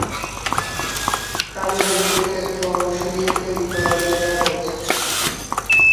কান্ডের পরিত্যক্ত অংশ দিয়ে তৈরি করা যায় কাগজ।